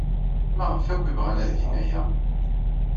Maɣef akk ay bɣan ad gen aya?